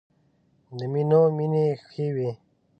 د مینو مینې ښې وې.